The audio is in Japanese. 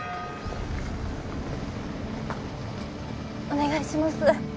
お願いします。